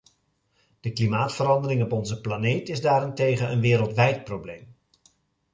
De klimaatverandering op onze planeet is daarentegen een wereldwijd probleem.